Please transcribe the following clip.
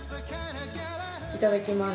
いただきます。